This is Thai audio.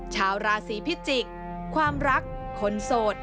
ชาวราศีพิจิกษ์ความรักคนโสด